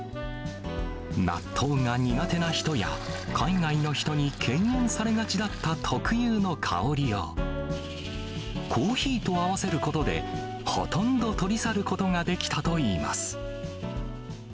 納豆が苦手な人や海外の人に敬遠されがちだった特有の香りを、コーヒーと合わせることで、ほとんど取り去ることができたといいます。